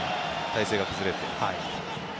体勢が崩れて。